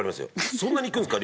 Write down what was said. そんなにいくんですか？